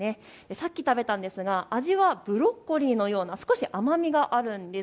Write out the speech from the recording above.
さっき食べたんですが味はブロッコリーのような少し甘みがあるんです。